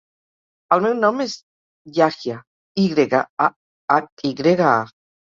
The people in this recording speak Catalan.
El meu nom és Yahya: i grega, a, hac, i grega, a.